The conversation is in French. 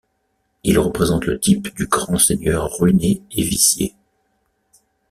Il représente le type du grand seigneur ruiné et vicié.